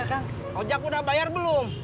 kojak udah bayar belum